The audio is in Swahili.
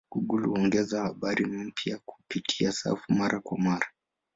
Google huongeza habari mpya kupitia safu mara kwa mara.